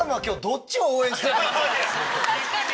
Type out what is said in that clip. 確かに！